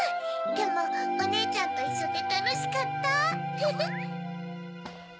でもおねえちゃんといっしょでたのしかったフフ！